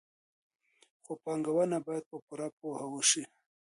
خو پانګونه باید په پوره پوهه وشي.